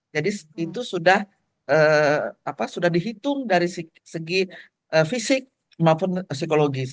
jadi itu sudah dihitung dari segi fisik maupun psikologis